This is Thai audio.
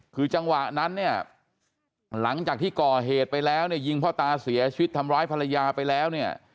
คือจังหวะนั้นเนี่ยหลังจากที่ก่อเหตุไปแล้วเนี่ยยิงพ่อตาเสียชีวิตทำร้ายภรรยาไปแล้วเนี่ย